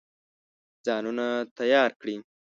ځانونه تیار کړي.